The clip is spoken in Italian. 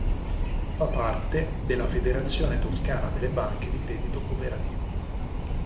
Fa parte della Federazione Toscana delle Banche di Credito Cooperativo.